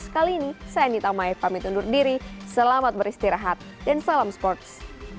sekali ini saya nita maif pamit undur diri selamat beristirahat dan salam sports